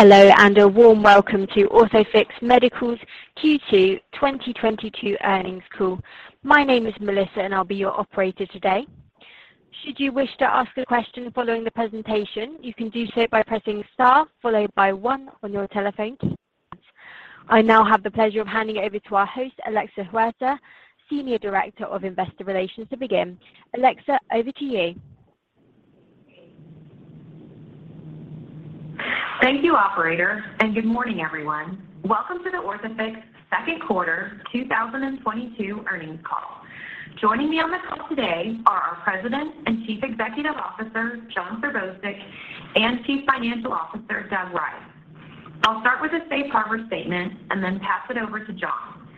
Hello, and a warm welcome to Orthofix Medical's Q2 2022 earnings call. My name is Melissa, and I'll be your operator today. Should you wish to ask a question following the presentation, you can do so by pressing star followed by one on your telephone. I now have the pleasure of handing it over to our host, Alexa Huerta, Senior Director of Investor Relations, to begin. Alexa, over to you. Thank you, operator, and good morning, everyone. Welcome to the Orthofix second quarter 2022 earnings call. Joining me on the call today are our President and Chief Executive Officer, Jon Serbousek, and Chief Financial Officer, Doug Rice. I'll start with a safe harbor statement and then pass it over to Jon.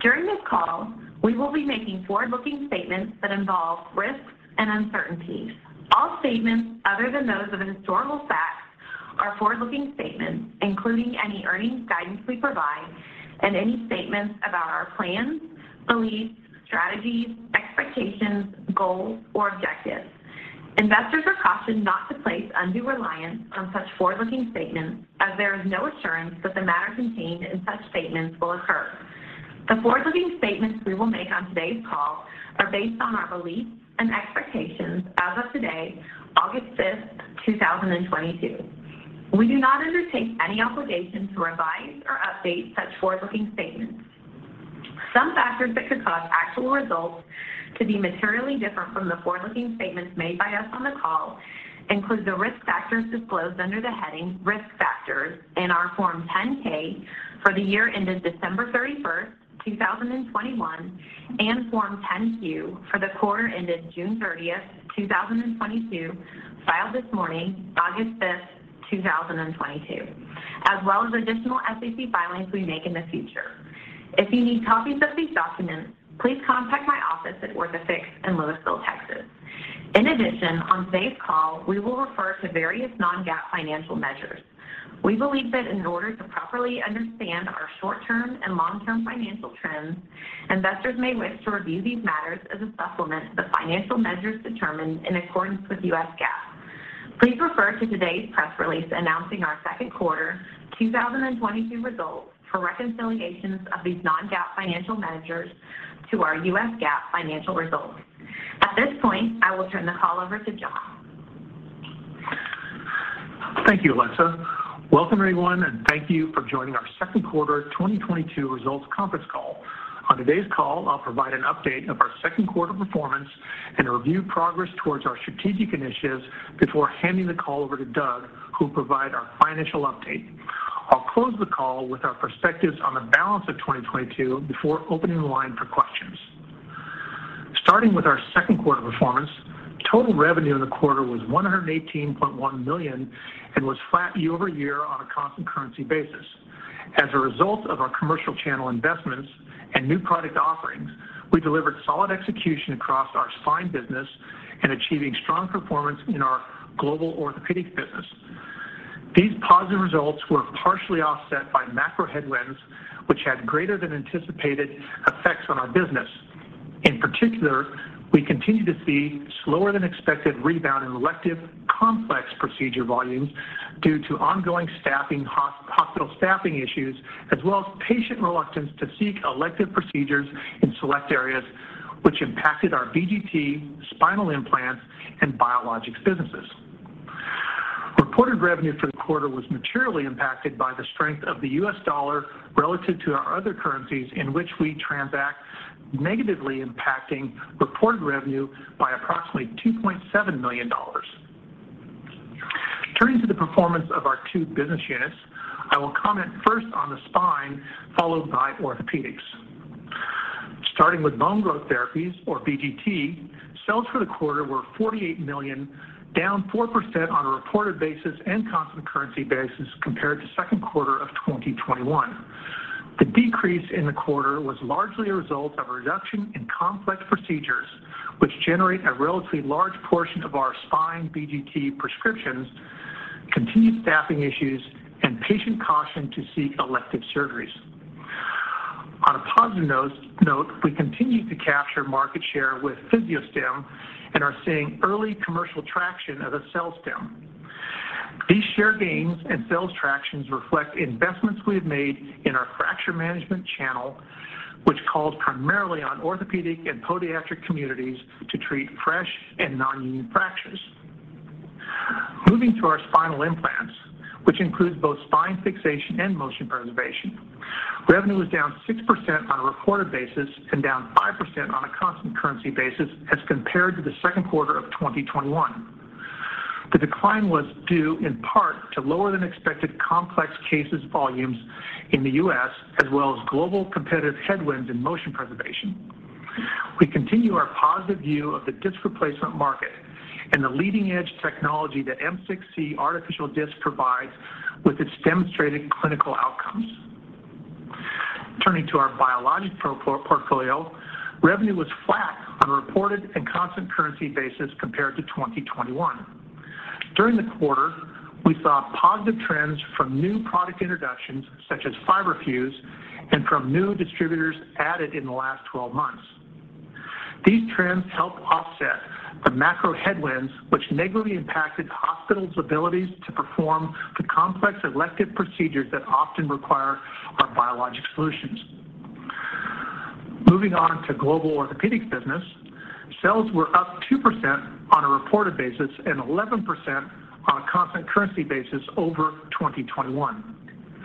During this call, we will be making forward-looking statements that involve risks and uncertainties. All statements other than those of historical facts are forward-looking statements, including any earnings guidance we provide and any statements about our plans, beliefs, strategies, expectations, goals, or objectives. Investors are cautioned not to place undue reliance on such forward-looking statements as there is no assurance that the matter contained in such statements will occur. The forward-looking statements we will make on today's call are based on our beliefs and expectations as of today, August 5th, 2022. We do not undertake any obligation to revise or update such forward-looking statements. Some factors that could cause actual results to be materially different from the forward-looking statements made by us on the call include the risk factors disclosed under the heading Risk Factors in our Form 10-K for the year ended December 31st, 2021, and Form 10-Q for the quarter ended June 30th, 2022, filed this morning, August 5th, 2022, as well as additional SEC filings we make in the future. If you need copies of these documents, please contact my office at Orthofix in Lewisville, Texas. In addition, on today's call, we will refer to various non-GAAP financial measures. We believe that in order to properly understand our short-term and long-term financial trends, investors may wish to review these matters as a supplement to the financial measures determined in accordance with U.S. GAAP. Please refer to today's press release announcing our second quarter 2022 results for reconciliations of these non-GAAP financial measures to our U.S. GAAP financial results. At this point, I will turn the call over to Jon. Thank you, Alexa. Welcome everyone, and thank you for joining our second quarter 2022 results conference call. On today's call, I'll provide an update of our second quarter performance and review progress towards our strategic initiatives before handing the call over to Doug, who will provide our financial update. I'll close the call with our perspectives on the balance of 2022 before opening the line for questions. Starting with our second quarter performance, total revenue in the quarter was $118.1 million and was flat year-over-year on a constant currency basis. As a result of our commercial channel investments and new product offerings, we delivered solid execution across our spine business and achieving strong performance in our global orthopedic business. These positive results were partially offset by macro headwinds, which had greater than anticipated effects on our business. In particular, we continue to see slower than expected rebound in elective complex procedure volumes due to ongoing hospital staffing issues, as well as patient reluctance to seek elective procedures in select areas which impacted our BGT, spinal implants and biologics businesses. Reported revenue for the quarter was materially impacted by the strength of the U.S. dollar relative to our other currencies in which we transact, negatively impacting reported revenue by approximately $2.7 million. Turning to the performance of our two business units, I will comment first on the Spine, followed by Orthopedics. Starting with Bone Growth Therapies or BGT, sales for the quarter were $48 million, down 4% on a reported basis and constant currency basis compared to second quarter of 2021. The decrease in the quarter was largely a result of a reduction in complex procedures, which generate a relatively large portion of our spine BGT prescriptions, continued staffing issues and patient caution to seek elective surgeries. On a positive note, we continue to capture market share with PhysioStim and are seeing early commercial traction of the AccelStim. These share gains and sales tractions reflect investments we have made in our fracture management channel, which calls primarily on orthopedic and podiatric communities to treat fresh and non-union fractures. Moving to our spinal implants, which includes both Spine Fixation and motion preservation. Revenue was down 6% on a reported basis and down 5% on a constant currency basis as compared to the second quarter of 2021. The decline was due in part to lower than expected complex case volumes in the U.S. as well as global competitive headwinds in motion preservation. We continue our positive view of the disc replacement market and the leading-edge technology that M6-C artificial disc provides with its demonstrated clinical outcomes. Turning to our biologics portfolio, revenue was flat on a reported and constant currency basis compared to 2021. During the quarter, we saw positive trends from new product introductions such as fiberFUSE and from new distributors added in the last 12 months. These trends helped offset the macro headwinds which negatively impacted hospitals' abilities to perform the complex elective procedures that often require our biologics solutions. Moving on to global Orthopedics business. Sales were up 2% on a reported basis and 11% on a constant currency basis over 2021.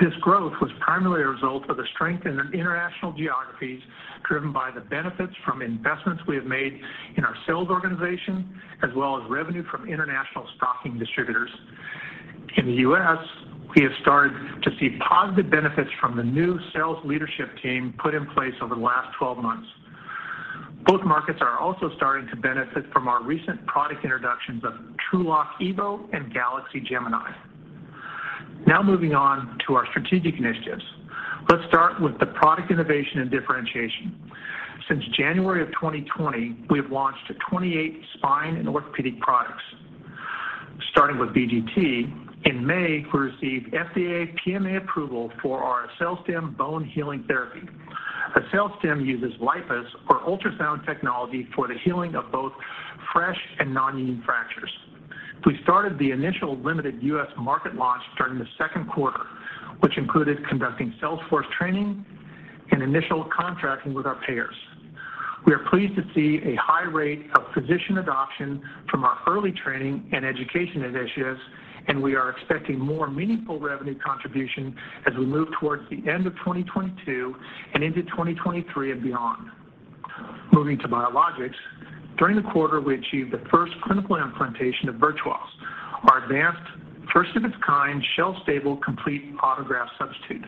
This growth was primarily a result of the strength in the international geographies driven by the benefits from investments we have made in our sales organization as well as revenue from international stocking distributors. In the U.S., we have started to see positive benefits from the new sales leadership team put in place over the last 12 months. Both markets are also starting to benefit from our recent product introductions of TrueLok EVO and Galaxy Fixation Gemini. Now moving on to our strategic initiatives. Let's start with the product innovation and differentiation. Since January of 2020, we have launched 28 spine and orthopedic products. Starting with BGT, in May, we received FDA PMA approval for our AccelStim bone healing therapy. AccelStim uses LIPUS or ultrasound technology for the healing of both fresh and nonunion fractures. We started the initial limited U.S. market launch during the second quarter, which included conducting sales force training and initial contracting with our payers. We are pleased to see a high rate of physician adoption from our early training and education initiatives, and we are expecting more meaningful revenue contribution as we move towards the end of 2022 and into 2023 and beyond. Moving to Biologics. During the quarter, we achieved the first clinical implantation of Virtuos, our advanced first of its kind, shelf-stable, complete autograft substitute.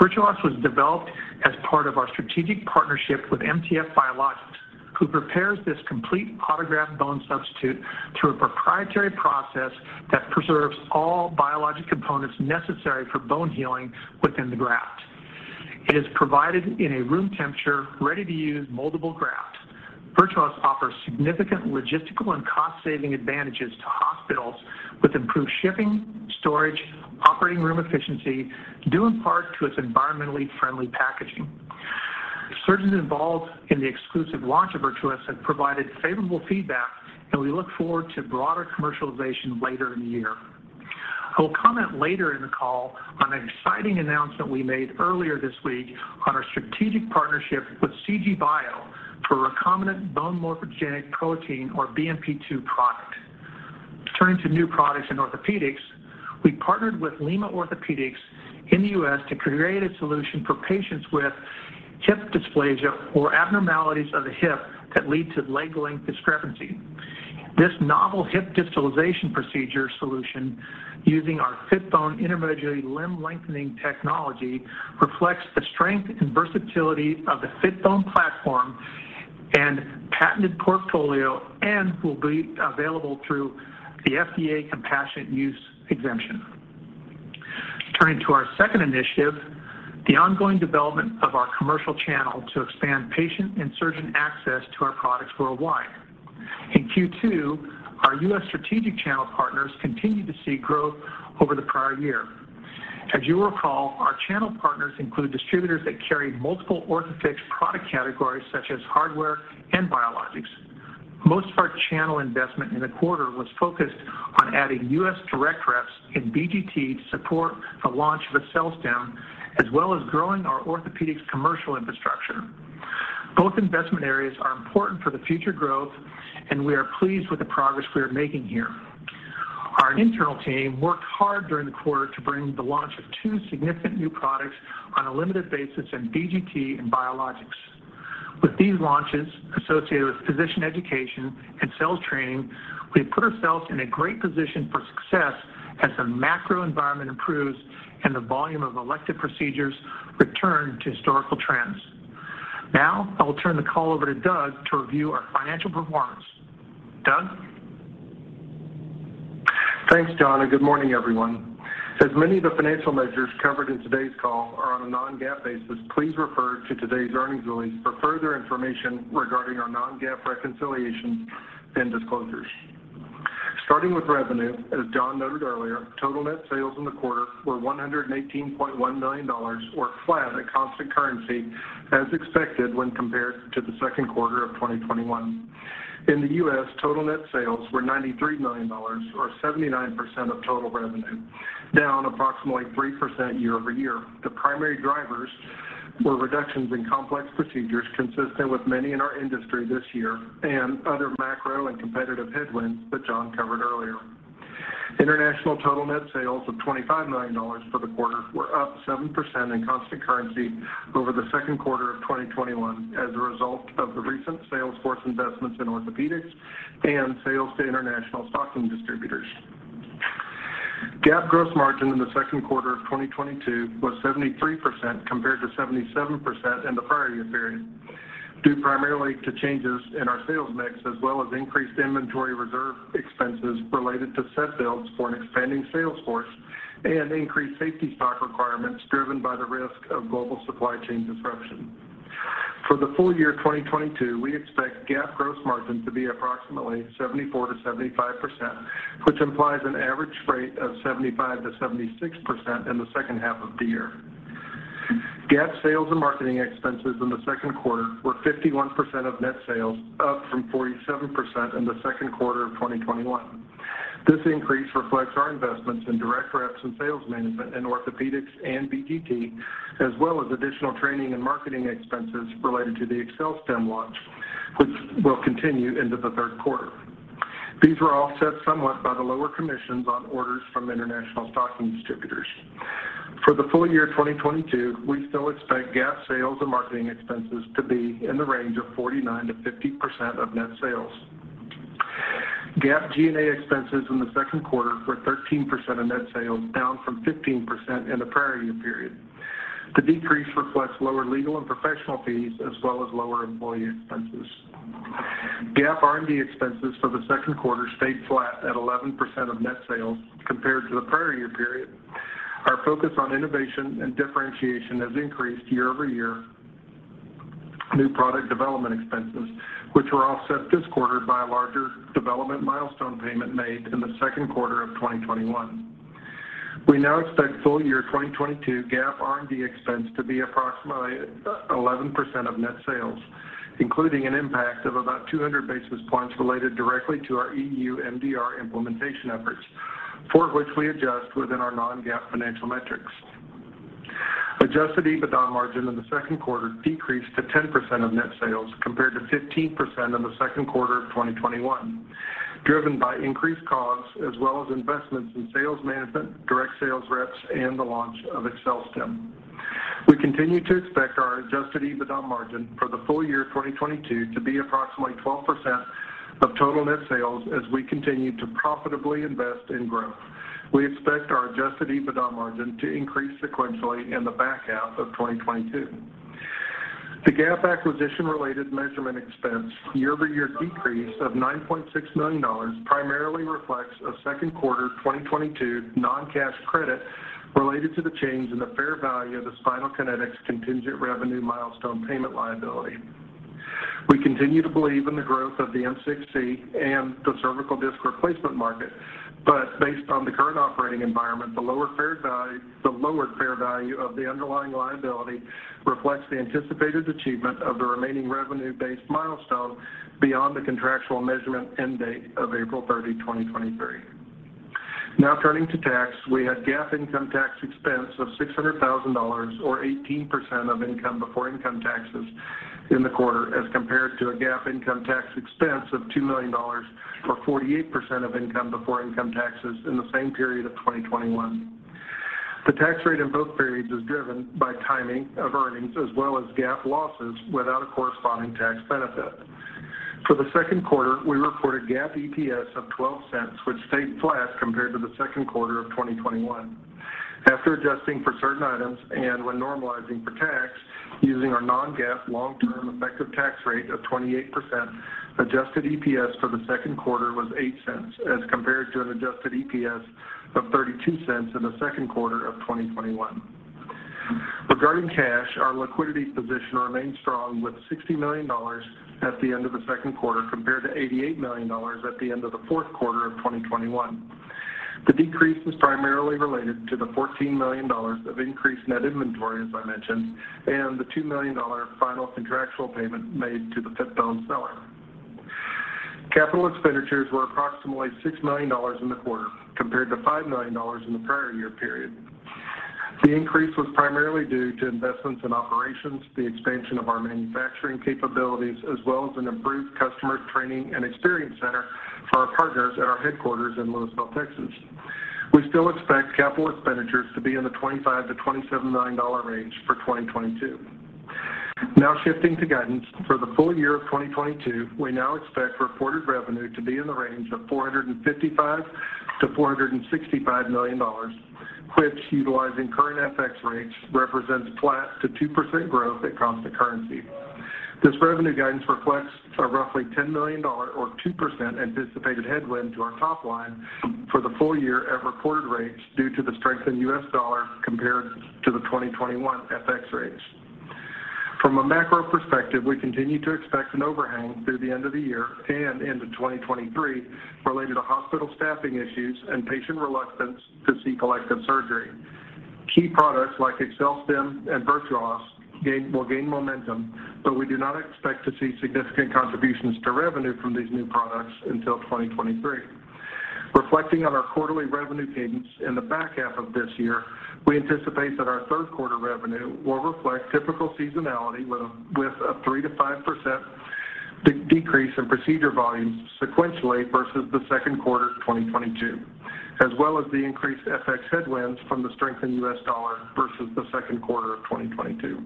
Virtuos was developed as part of our strategic partnership with MTF Biologics, who prepares this complete autograft bone substitute through a proprietary process that preserves all biologic components necessary for bone healing within the graft. It is provided in a room temperature, ready-to-use moldable graft. Virtuos offers significant logistical and cost-saving advantages to hospitals with improved shipping, storage, operating room efficiency, due in part to its environmentally friendly packaging. Surgeons involved in the exclusive launch of Virtuos have provided favorable feedback, and we look forward to broader commercialization later in the year. I will comment later in the call on an exciting announcement we made earlier this week on our strategic partnership with CG Bio for recombinant bone morphogenetic protein, or BMP-2 product. Turning to new products in Orthopedics, we partnered with LimaCorporate in the U.S. to create a solution for patients with hip dysplasia or abnormalities of the hip that lead to leg length discrepancy. This novel hip distalization procedure solution using our Fitbone intramedullary limb lengthening technology reflects the strength and versatility of the Fitbone platform and patented portfolio and will be available through the FDA Compassionate Use. Turning to our second initiative, the ongoing development of our commercial channel to expand patient and surgeon access to our products worldwide. In Q2, our U.S. strategic channel partners continued to see growth over the prior year. As you recall, our channel partners include distributors that carry multiple Orthofix product categories such as hardware and Biologics. Most of our channel investment in the quarter was focused on adding U.S. direct reps in BGT to support the launch of a AccelStim, as well as growing our Orthopedics commercial infrastructure. Both investment areas are important for the future growth, and we are pleased with the progress we are making here. Our internal team worked hard during the quarter to bring the launch of two significant new products on a limited basis in BGT and Biologics. With these launches associated with physician education and sales training, we've put ourselves in a great position for success as the macro environment improves and the volume of elective procedures return to historical trends. Now, I will turn the call over to Doug to review our financial performance. Doug? Thanks, Jon, and good morning, everyone. As many of the financial measures covered in today's call are on a non-GAAP basis, please refer to today's earnings release for further information regarding our non-GAAP reconciliations and disclosures. Starting with revenue, as Jon noted earlier, total net sales in the quarter were $118.1 million or flat at constant currency as expected when compared to the second quarter of 2021. In the U.S., total net sales were $93 million or 79% of total revenue, down approximately 3% year-over-year. The primary drivers were reductions in complex procedures consistent with many in our industry this year and other macro and competitive headwinds that Jon covered earlier. International total net sales of $25 million for the quarter were up 7% in constant currency over the second quarter of 2021 as a result of the recent sales force investments in Orthopedics and sales to international stocking distributors. GAAP gross margin in the second quarter of 2022 was 73% compared to 77% in the prior year period, due primarily to changes in our sales mix as well as increased inventory reserve expenses related to set builds for an expanding sales force and increased safety stock requirements driven by the risk of global supply chain disruption. For the full year 2022, we expect GAAP gross margin to be approximately 74%-75%, which implies an average rate of 75%-76% in the second half of the year. GAAP sales and marketing expenses in the second quarter were 51% of net sales, up from 47% in the second quarter of 2021. This increase reflects our investments in direct reps and sales management in Orthopedics and BGT, as well as additional training and marketing expenses related to the AccelStim launch, which will continue into the third quarter. These were offset somewhat by the lower commissions on orders from international stocking distributors. For the full year 2022, we still expect GAAP sales and marketing expenses to be in the range of 49%-50% of net sales. GAAP G&A expenses in the second quarter were 13% of net sales, down from 15% in the prior year period. The decrease reflects lower legal and professional fees as well as lower employee expenses. GAAP R&D expenses for the second quarter stayed flat at 11% of net sales compared to the prior year period. Our focus on innovation and differentiation has increased year-over-year new product development expenses, which were offset this quarter by a larger development milestone payment made in the second quarter of 2021. We now expect full year 2022 GAAP R&D expense to be approximately 11% of net sales, including an impact of about 200 basis points related directly to our EU MDR implementation efforts, for which we adjust within our non-GAAP financial metrics. Adjusted EBITDA margin in the second quarter decreased to 10% of net sales compared to 15% in the second quarter of 2021, driven by increased costs as well as investments in sales management, direct sales reps, and the launch of AccelStim. We continue to expect our adjusted EBITDA margin for the full year 2022 to be approximately 12% of total net sales as we continue to profitably invest in growth. We expect our adjusted EBITDA margin to increase sequentially in the back half of 2022. The GAAP acquisition-related measurement expense year-over-year decrease of $9.6 million primarily reflects a second quarter 2022 non-cash credit related to the change in the fair value of the Spinal Kinetics contingent revenue milestone payment liability. We continue to believe in the growth of the M6-C and the cervical disc replacement market, but based on the current operating environment, the lower fair value of the underlying liability reflects the anticipated achievement of the remaining revenue-based milestone beyond the contractual measurement end date of April 30, 2023. Now turning to tax, we had GAAP income tax expense of $600,000 or 18% of income before income taxes in the quarter as compared to a GAAP income tax expense of $2 million or 48% of income before income taxes in the same period of 2021. The tax rate in both periods is driven by timing of earnings as well as GAAP losses without a corresponding tax benefit. For the second quarter, we reported GAAP EPS of $0.12, which stayed flat compared to the second quarter of 2021. After adjusting for certain items and when normalizing for tax using our non-GAAP long-term effective tax rate of 28%, adjusted EPS for the second quarter was $0.08 as compared to an adjusted EPS of $0.32 in the second quarter of 2021. Regarding cash, our liquidity position remains strong with $60 million at the end of the second quarter compared to $88 million at the end of the fourth quarter of 2021. The decrease was primarily related to the $14 million of increased net inventory, as I mentioned, and the $2 million final contractual payment made to the PipStone seller. Capital expenditures were approximately $6 million in the quarter compared to $5 million in the prior year period. The increase was primarily due to investments in operations, the expansion of our manufacturing capabilities, as well as an improved customer training and experience center for our partners at our headquarters in Lewisville, Texas. We still expect capital expenditures to be in the $25 million-$27 million range for 2022. Now shifting to guidance. For the full year of 2022, we now expect reported revenue to be in the range of $455 million-$465 million, which, utilizing current FX rates, represents flat to 2% growth at constant currency. This revenue guidance reflects a roughly $10 million or 2% anticipated headwind to our top line for the full year at reported rates due to the strength in U.S. dollar compared to the 2021 FX rates. From a macro perspective, we continue to expect an overhang through the end of the year and into 2023 related to hospital staffing issues and patient reluctance to seek elective surgery. Key products like AccelStim and Virtuos will gain momentum, but we do not expect to see significant contributions to revenue from these new products until 2023. Reflecting on our quarterly revenue cadence in the back half of this year, we anticipate that our third quarter revenue will reflect typical seasonality with a 3%-5% decrease in procedure volumes sequentially versus the second quarter of 2022, as well as the increased FX headwinds from the strength in U.S. dollar versus the second quarter of 2022.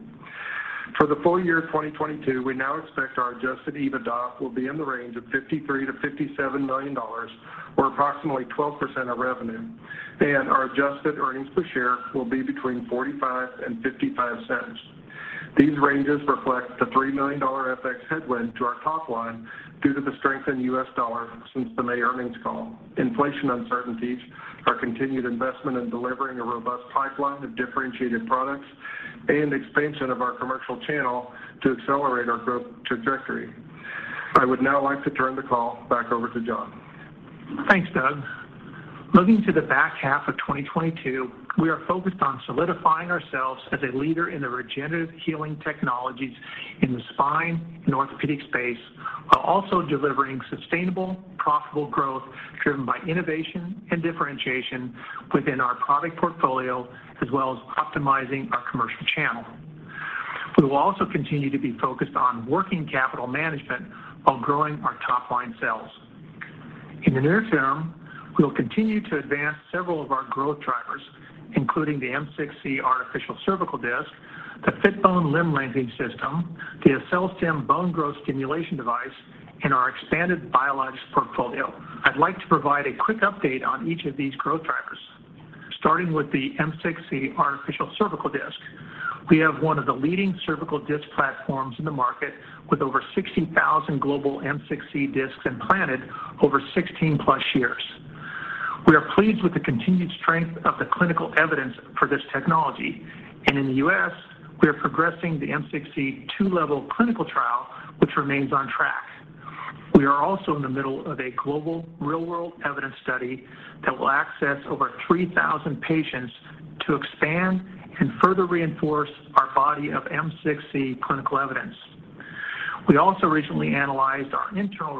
For the full year 2022, we now expect our adjusted EBITDA will be in the range of $53 million-$57 million, or approximately 12% of revenue, and our adjusted earnings per share will be between $0.45 and $0.55. These ranges reflect the $3 million FX headwind to our top line due to the strength in U.S. dollar since the May earnings call, inflation uncertainties, our continued investment in delivering a robust pipeline of differentiated products, and expansion of our commercial channel to accelerate our growth trajectory. I would now like to turn the call back over to Jon Serbousek. Thanks, Doug. Moving to the back half of 2022, we are focused on solidifying ourselves as a leader in the regenerative healing technologies in the spine and orthopedic space, while also delivering sustainable, profitable growth driven by innovation and differentiation within our product portfolio as well as optimizing our commercial channel. We will also continue to be focused on working capital management while growing our top line sales. In the near term, we will continue to advance several of our growth drivers, including the M6-C Artificial Cervical Disc, the Fitbone Limb Lengthening System, the AccelStim Bone Growth Therapy device, and our expanded biologics portfolio. I'd like to provide a quick update on each of these growth drivers. Starting with the M6-C Artificial Cervical Disc. We have one of the leading cervical disc platforms in the market with over 60,000 global M6-C discs implanted over 16+ years. We are pleased with the continued strength of the clinical evidence for this technology. In the US, we are progressing the M6-C 2-level clinical trial, which remains on track. We are also in the middle of a global real-world evidence study that will access over 3,000 patients to expand and further reinforce our body of M6-C clinical evidence. We also recently analyzed our internal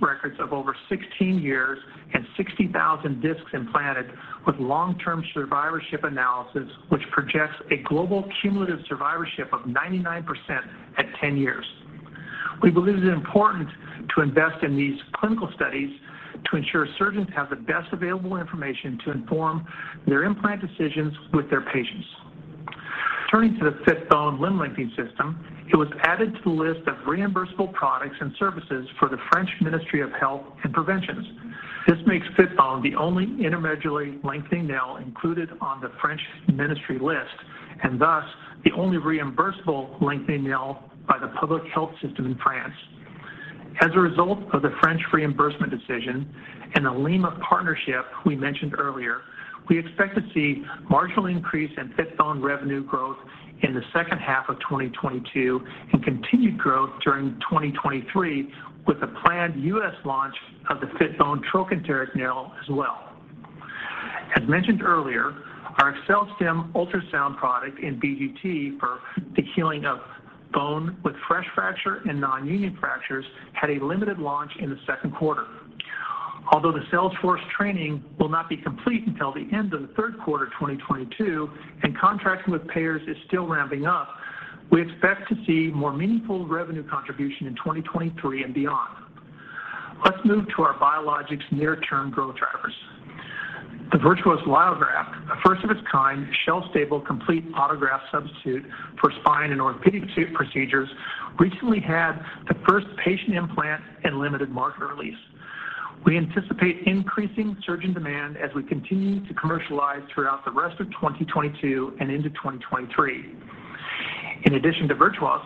records of over 16 years and 60,000 discs implanted with long-term survivorship analysis, which projects a global cumulative survivorship of 99% at 10 years. We believe it is important to invest in these clinical studies to ensure surgeons have the best available information to inform their implant decisions with their patients. Turning to the FitBone Limb Lengthening System, it was added to the list of reimbursable products and services for the French Ministry of Health and Prevention. This makes Fitbone the only intramedullary lengthening nail included on the French Ministry list, and thus the only reimbursable lengthening nail by the public health system in France. As a result of the French reimbursement decision and the Lima partnership we mentioned earlier, we expect to see marginal increase in Fitbone revenue growth in the second half of 2022 and continued growth during 2023 with the planned U.S. launch of the Fitbone trochanteric nail as well. As mentioned earlier, our AccelStim ultrasound product in BGT for the healing of bone with fresh fracture and non-union fractures had a limited launch in the second quarter. Although the sales force training will not be complete until the end of the third quarter 2022 and contracting with payers is still ramping up, we expect to see more meaningful revenue contribution in 2023 and beyond. Let's move to our biologics near-term growth drivers. The Virtuos Allograft, a first of its kind, shelf-stable, complete autograft substitute for spine and orthopedic procedures, recently had the first patient implant and limited market release. We anticipate increasing surgeon demand as we continue to commercialize throughout the rest of 2022 and into 2023. In addition to Virtuos,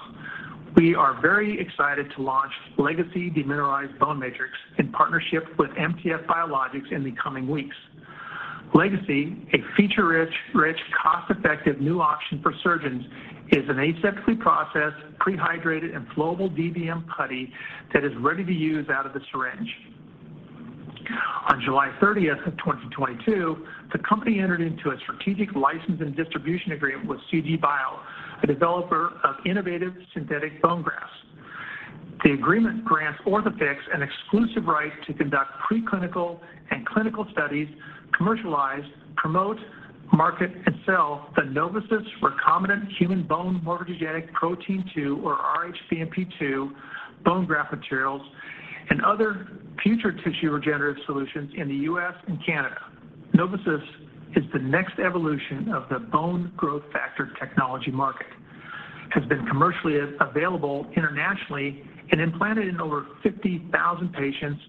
we are very excited to launch Legacy Demineralized Bone Matrix in partnership with MTF Biologics in the coming weeks. Legacy, a feature-rich, cost-effective new option for surgeons, is an aseptically processed, pre-hydrated, and flowable DBM putty that is ready to use out of the syringe. On July 30th of 2022, the company entered into a strategic license and distribution agreement with CGBio, a developer of innovative synthetic bone grafts. The agreement grants Orthofix an exclusive right to conduct preclinical and clinical studies, commercialize, promote, market, and sell the Novosis Recombinant Human Bone Morphogenetic Protein-2, or rhBMP-2, bone graft materials and other future tissue regenerative solutions in the U.S. and Canada. Novosis is the next evolution of the bone growth factor technology market, has been commercially available internationally and implanted in over 50,000 patients,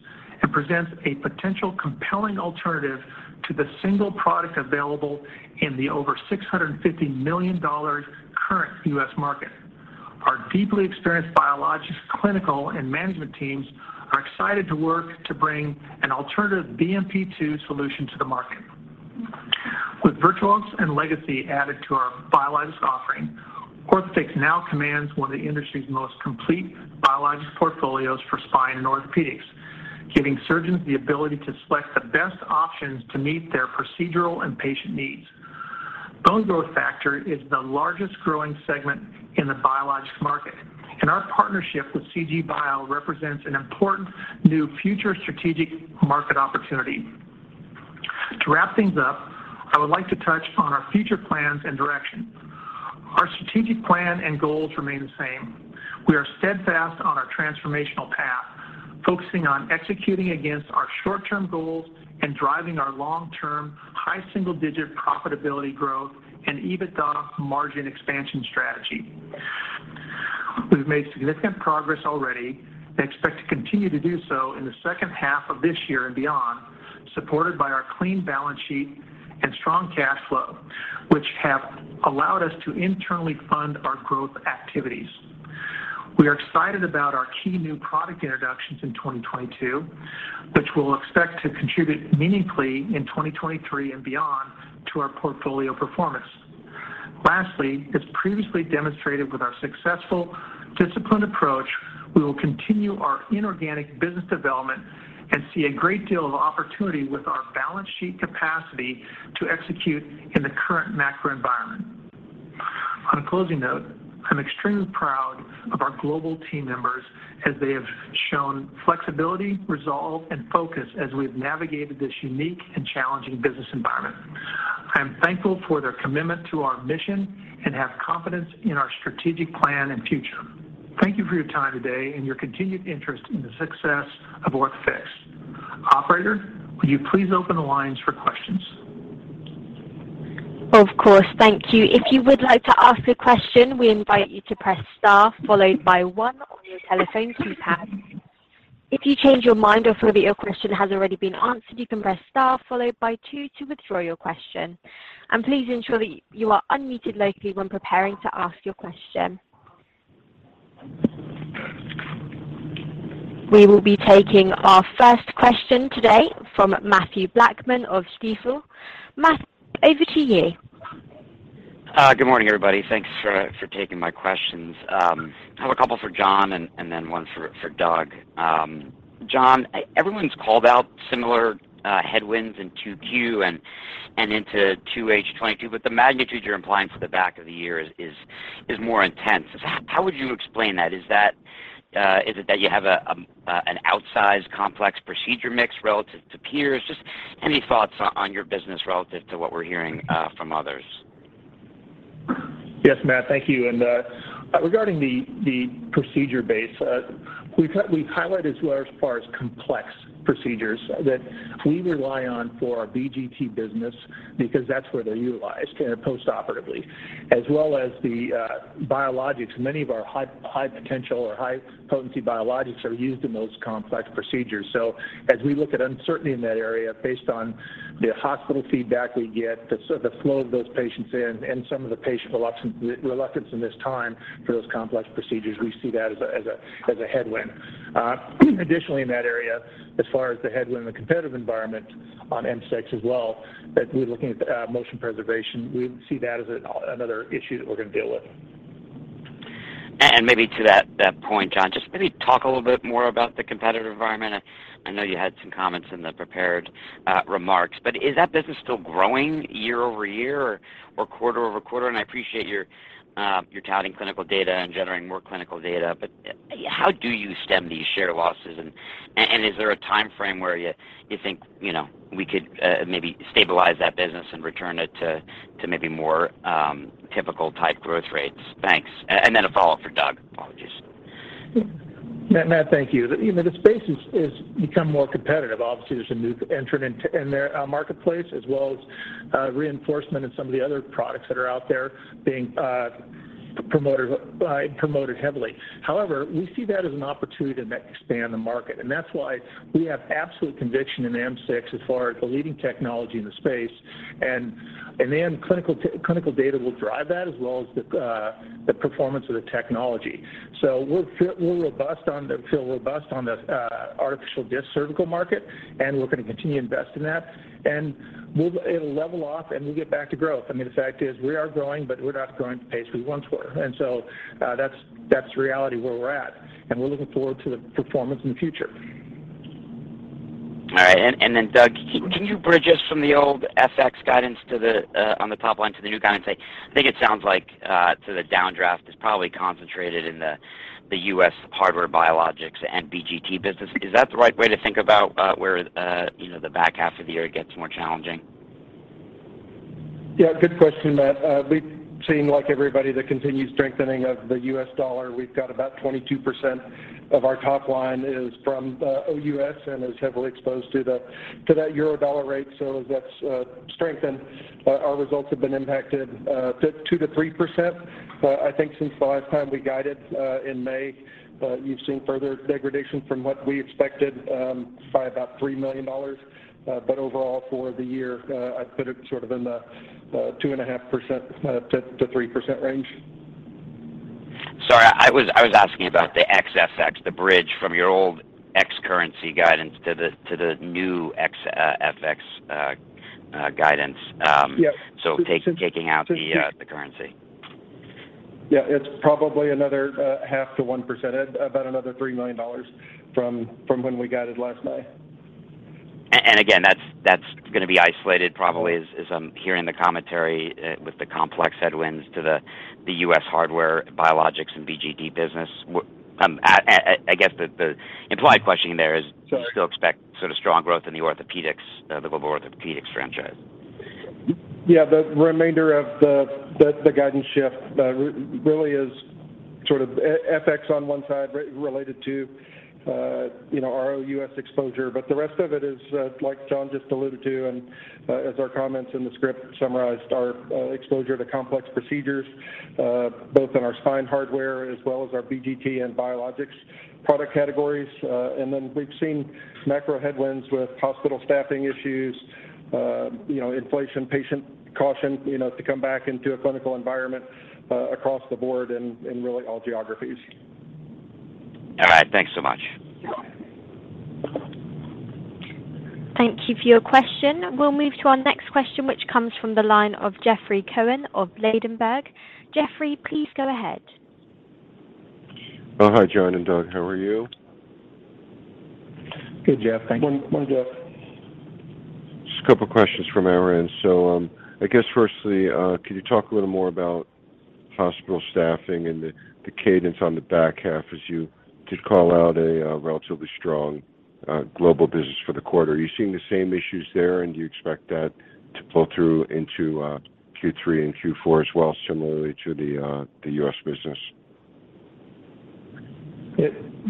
and presents a potential compelling alternative to the single product available in the over $650 million current U.S. market. Our deeply experienced biologics, clinical, and management teams are excited to work to bring an alternative BMP-2 solution to the market. With Virtuos and Legacy added to our biologics offering, Orthofix now commands one of the industry's most complete biologics portfolios for spine and orthopedics, giving surgeons the ability to select the best options to meet their procedural and patient needs. Bone growth factor is the largest growing segment in the biologics market, and our partnership with CGBio represents an important new future strategic market opportunity. To wrap things up, I would like to touch on our future plans and direction. Our strategic plan and goals remain the same. We are steadfast on our transformational path, focusing on executing against our short-term goals and driving our long-term, high single-digit profitability growth and EBITDA margin expansion strategy. We've made significant progress already and expect to continue to do so in the second half of this year and beyond, supported by our clean balance sheet and strong cash flow, which have allowed us to internally fund our growth activities. We are excited about our key new product introductions in 2022, which we'll expect to contribute meaningfully in 2023 and beyond to our portfolio performance. Lastly, as previously demonstrated with our successful disciplined approach, we will continue our inorganic business development and see a great deal of opportunity with our balance sheet capacity to execute in the current macro environment. On a closing note, I'm extremely proud of our global team members as they have shown flexibility, resolve, and focus as we've navigated this unique and challenging business environment. I am thankful for their commitment to our mission and have confidence in our strategic plan and future. Thank you for your time today and your continued interest in the success of Orthofix. Operator, will you please open the lines for questions? Of course. Thank you. If you would like to ask a question, we invite you to press star followed by one on your telephone keypad. If you change your mind or feel that your question has already been answered, you can press star followed by two to withdraw your question. Please ensure that you are unmuted locally when preparing to ask your question. We will be taking our first question today from Mathew Blackman of Stifel. Matt, over to you. Good morning, everybody. Thanks for taking my questions. I have a couple for Jon and then one for Doug. Jon, everyone's called out similar headwinds in 2Q and into 2H 2022, but the magnitude you're implying for the back of the year is more intense. How would you explain that? Is it that you have an outsized complex procedure mix relative to peers? Just any thoughts on your business relative to what we're hearing from others? Yes, Matt. Thank you. Regarding the procedure base, we've highlighted as far as complex procedures that we rely on for our BGT business because that's where they're utilized kind of postoperatively. As well as the biologics, many of our high potential or high potency biologics are used in those complex procedures. As we look at uncertainty in that area based on the hospital feedback we get, the flow of those patients in and some of the patient reluctance in this time for those complex procedures, we see that as a headwind. Additionally in that area as far as the headwind in the competitive environment on M6 as well, that we're looking at motion preservation. We see that as another issue that we're gonna deal with. Maybe to that point, Jon, just maybe talk a little bit more about the competitive environment. I know you had some comments in the prepared remarks. Is that business still growing year-over-year or quarter-over-quarter? I appreciate your touting clinical data and generating more clinical data. How do you stem these share losses? Is there a time frame where you think, you know, we could maybe stabilize that business and return it to maybe more typical type growth rates? Thanks. Then a follow-up for Doug. Apologies. Matt, thank you. The space has become more competitive. Obviously, there's a new entrant in their marketplace as well as reinforcement in some of the other products that are out there being promoted heavily. However, we see that as an opportunity to expand the market, and that's why we have absolute conviction in M6 as far as the leading technology in the space. Clinical data will drive that as well as the performance of the technology. We feel robust on the artificial cervical disc market, and we're gonna continue to invest in that. It'll level off, and we'll get back to growth. I mean, the fact is we are growing, but we're not growing at the pace we once were. That's the reality where we're at, and we're looking forward to the performance in the future. All right. Then Doug, can you bridge us from the old FX guidance to the on the top line to the new guidance? I think it sounds like so the downdraft is probably concentrated in the U.S. hardware biologics and BGT business. Is that the right way to think about where you know the back half of the year gets more challenging? Yeah, good question, Matt. We've seen like everybody the continued strengthening of the U.S. dollar. We've got about 22% of our top line from OUS and is heavily exposed to that euro dollar rate. As that's strengthened, our results have been impacted 2%-3%. I think since the last time we guided in May, you've seen further degradation from what we expected by about $3 million. But overall for the year, I'd put it sort of in the 2.5%-3% range. Sorry, I was asking about the FX, the bridge from your old FX currency guidance to the new FX guidance. Yeah. Taking out the currency. Yeah. It's probably another 0.5%-1%, about another $3 million from when we guided last May. That's gonna be isolated probably as I'm hearing the commentary, with the complex headwinds to the U.S. hardware biologics and BGT business. I guess the implied question in there is Sure. Do you still expect sort of strong growth in the Orthopedics, the global Orthopedics franchise? Yeah. The remainder of the guidance shift really is sort of FX on one side related to, you know, our OUS exposure. The rest of it is, like Jon just alluded to and as our comments in the script summarized our exposure to complex procedures, both in our spine hardware as well as our BGT and biologics product categories. We've seen macro headwinds with hospital staffing issues, you know, inflation, patient caution, you know, to come back into a clinical environment across the board in really all geographies. All right. Thanks so much. Thank you for your question. We'll move to our next question, which comes from the line of Jeffrey Cohen of Ladenburg. Jeffrey, please go ahead. Oh, hi, Jon and Doug. How are you? Good, Jeff. Thank you. Morning, Jeff. Just a couple of questions from our end. I guess firstly, could you talk a little more about hospital staffing and the cadence on the back half as you did call out a relatively strong global business for the quarter? Are you seeing the same issues there? Do you expect that to pull through into Q3 and Q4 as well, similarly to the U.S. business?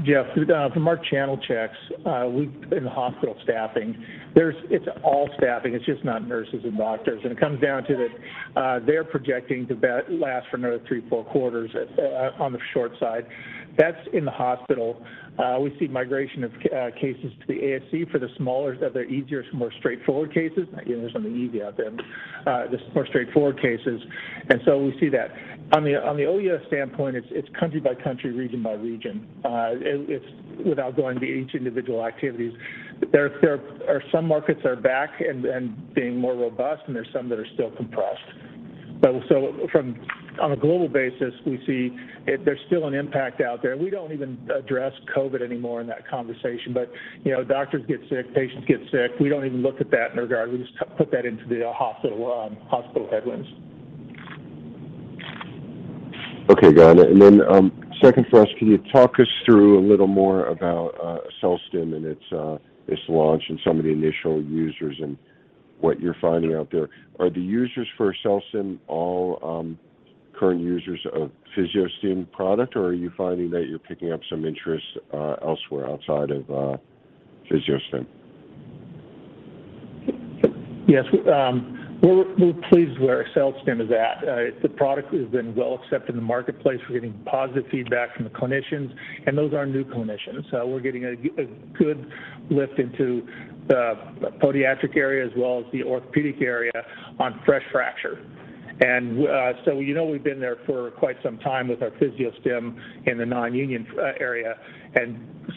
Jeff, from our channel checks, in the hospital staffing, it's all staffing. It's just not nurses and doctors. It comes down to that, they're projecting to last for another three, four quarters, on the short side. That's in the hospital. We see migration of cases to the ASC for the smaller, the easier, more straightforward cases. Not that there's something easy about them, just more straightforward cases. We see that. On the OUS standpoint, it's country by country, region by region. Without going to each individual activities. There are some markets back and being more robust, and there are some that are still compressed. Also on a global basis, we see there's still an impact out there. We don't even address COVID anymore in that conversation, but, you know, doctors get sick, patients get sick. We don't even look at that in regard. We just put that into the hospital headwinds. Okay, got it. Second for us, can you talk us through a little more about AccelStim and its launch and some of the initial users and what you're finding out there? Are the users for AccelStim all current users of PhysioStim product, or are you finding that you're picking up some interest elsewhere outside of PhysioStim? Yes. We're pleased where AccelStim is at. The product has been well accepted in the marketplace. We're getting positive feedback from the clinicians, and those are new clinicians. We're getting a good lift into the podiatric area as well as the orthopedic area on fresh fracture. You know we've been there for quite some time with our PhysioStim in the non-union area.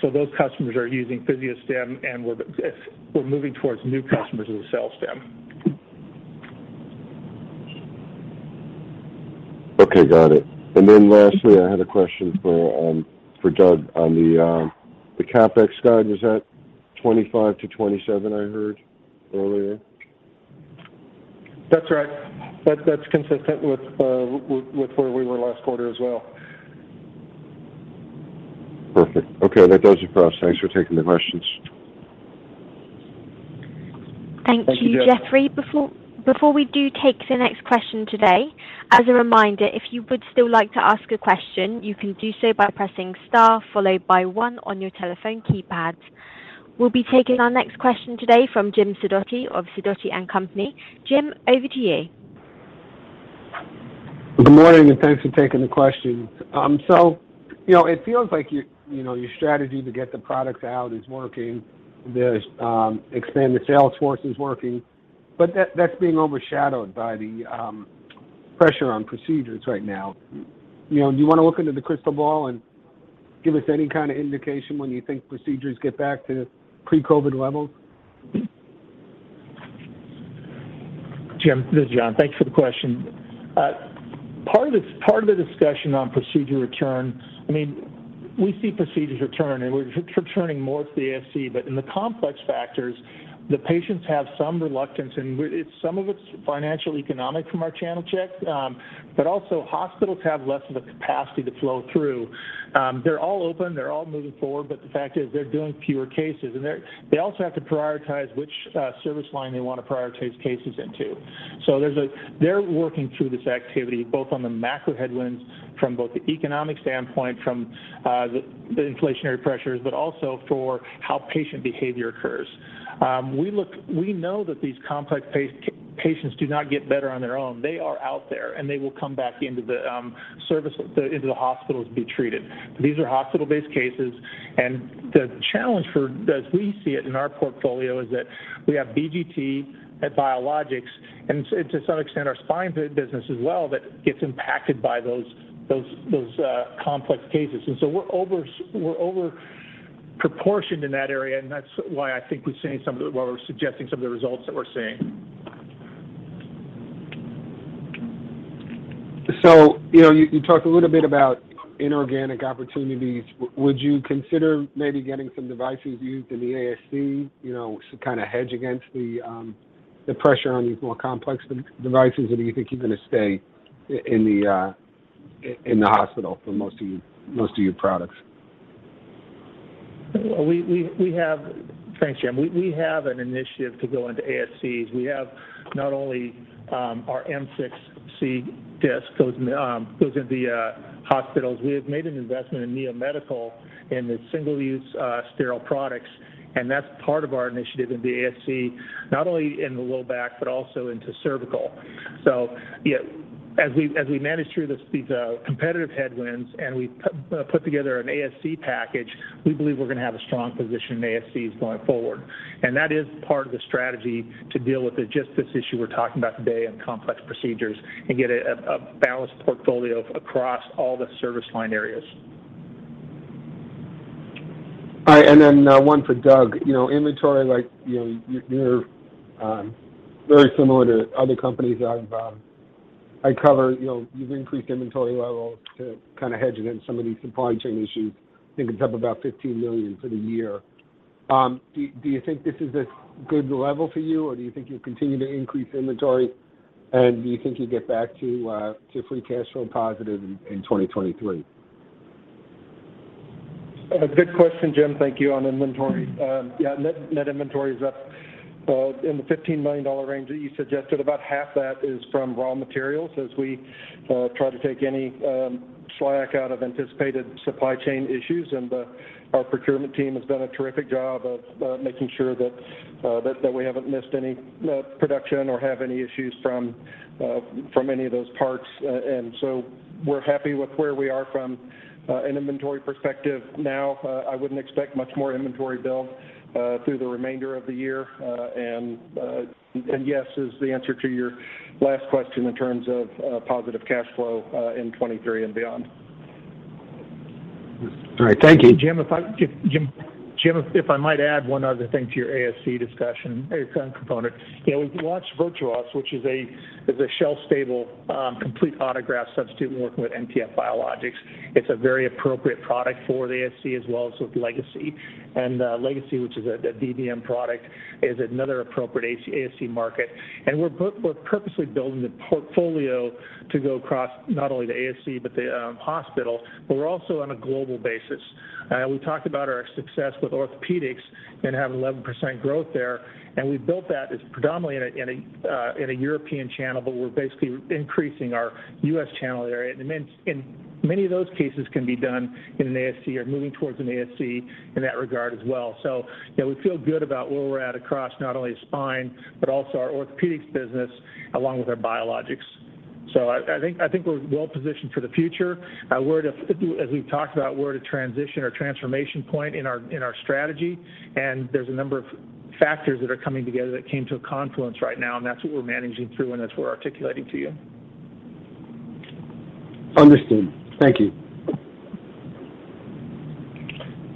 Those customers are using PhysioStim, and we're moving towards new customers with AccelStim. Okay, got it. Lastly, I had a question for Doug on the CapEx guide. Was that $25-$27, I heard earlier? That's right. That's consistent with where we were last quarter as well. Perfect. Okay. That does it for us. Thanks for taking the questions. Thank you, Jeffrey. Thank you, Jeffrey. Before we do take the next question today, as a reminder, if you would still like to ask a question, you can do so by pressing star followed by one on your telephone keypad. We'll be taking our next question today from Jim Sidoti of Sidoti & Company. Jim, over to you. Good morning, and thanks for taking the question. So, you know, it feels like your, you know, your strategy to get the products out is working. The expanded sales force is working, but that's being overshadowed by the pressure on procedures right now. You know, do you wanna look into the crystal ball and give us any kind of indication when you think procedures get back to pre-COVID levels? Jim, this is Jon. Thanks for the question. Part of the discussion on procedure return, I mean, we see procedures return, and we're returning more to the ASC. In the complex fractures, the patients have some reluctance, and some of it's financial, economic from our channel checks, but also hospitals have less of a capacity to flow through. They're all open, they're all moving forward, but the fact is they're doing fewer cases. They also have to prioritize which service line they wanna prioritize cases into. They're working through this activity both on the macro headwinds from both the economic standpoint, from the inflationary pressures, but also for how patient behavior occurs. We know that these complex patients do not get better on their own. They are out there, and they will come back into the service into the hospitals to be treated. These are hospital-based cases, and the challenge, as we see it in our portfolio, is that we have BGT and Biologics and to some extent our spine business as well that gets impacted by those complex cases. We're overproportioned in that area, and that's why I think we're seeing some of the results that we're seeing. You know, you talked a little bit about inorganic opportunities. Would you consider maybe getting some devices used in the ASC, you know, to kinda hedge against the pressure on these more complex devices, or do you think you're gonna stay in the hospital for most of your products? Thanks, Jim. We have an initiative to go into ASCs. We have not only our M6-C disc goes into the hospitals. We have made an investment in Neo Medical in the single-use sterile products, and that's part of our initiative in the ASC, not only in the low back but also into cervical. Yeah, as we manage through these competitive headwinds and we put together an ASC package, we believe we're gonna have a strong position in ASCs going forward. That is part of the strategy to deal with just this issue we're talking about today and complex procedures and get a balanced portfolio across all the service line areas. All right. Then one for Doug. You know, inventory like, you know, you're very similar to other companies that I've, I cover. You know, you've increased inventory levels to kinda hedge against some of these supply chain issues. I think it's up about $15 million for the year. Do you think this is a good level for you, or do you think you'll continue to increase inventory? Do you think you get back to free cash flow positive in 2023? Good question, Jim, thank you, on inventory. Yeah, net inventory is up in the $15 million range that you suggested. About half that is from raw materials as we try to take any slack out of anticipated supply chain issues. Our procurement team has done a terrific job of making sure that we haven't missed any production or have any issues from any of those parts. We're happy with where we are from an inventory perspective now. I wouldn't expect much more inventory build through the remainder of the year. Yes is the answer to your last question in terms of positive cash flow in 2023 and beyond. All right. Thank you. Jim, if I might add one other thing to your ASC discussion or component. You know, we've launched Virtuos, which is a shelf-stable complete autograft substitute. We're working with MTF Biologics. It's a very appropriate product for the ASC as well as with Legacy. Legacy, which is a DBM product, is another appropriate ASC market. We're purposely building the portfolio to go across not only the ASC, but the hospital, but we're also on a global basis. We talked about our success with orthopedics and have 11% growth there, and we've built that. It's predominantly in a European channel, but we're basically increasing our U.S. channel area. Many of those cases can be done in an ASC or moving towards an ASC in that regard as well. You know, we feel good about where we're at across not only Spine, but also our Orthopedics business along with our Biologics. I think we're well positioned for the future. As we've talked about, we're at a transition or transformation point in our strategy, and there's a number of factors that are coming together that came to a confluence right now, and that's what we're managing through, and that's what we're articulating to you. Understood. Thank you.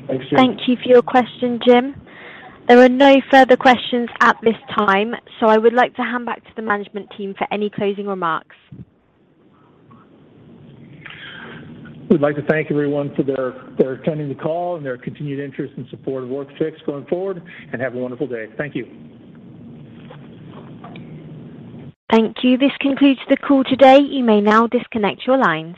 Thanks, Jim. Thank you for your question, Jim. There are no further questions at this time, so I would like to hand back to the management team for any closing remarks. We'd like to thank everyone for their attending the call and their continued interest and support of Orthofix going forward, and have a wonderful day. Thank you. Thank you. This concludes the call today. You may now disconnect your line.